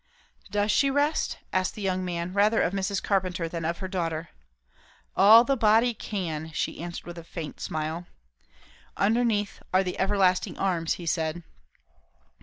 "Does she rest?" asked the young man, rather of Mrs. Carpenter than of her daughter. "All the body can," she answered with a faint smile. "'Underneath are the everlasting arms' " he said.